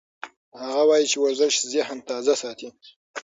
هغه وایي چې ورزش ذهن تازه ساتي.